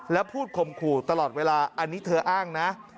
แล้วพูดข่มขู่ตลอดเวลาอันนี้เธออ้างนะ